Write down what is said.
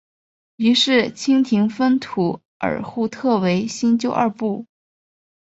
于是清廷分土尔扈特为新旧二部。